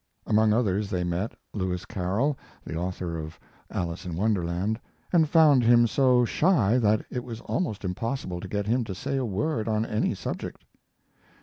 Among others they met Lewis Carroll, the author of Alice in Wonderland, and found him so shy that it was almost impossible to get him to say a word on any subject.